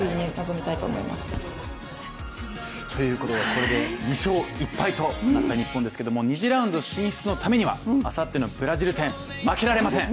これで２勝１敗となった日本ですけれども２次ラウンド進出のためにはあさってのブラジル戦、負けられません！